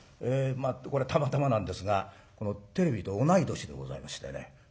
これはたまたまなんですがテレビと同い年でございましてね。